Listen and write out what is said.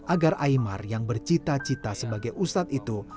agar imar yang bercita cita sebagai ustadz itu